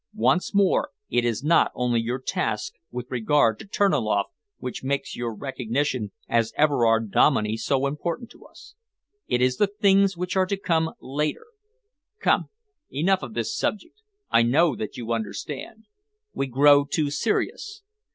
Once more, it is not only your task with regard to Terniloff which makes your recognition as Everard Dominey so important to us. It is the things which are to come later. Come, enough of this subject. I know that you understand. We grow too serious.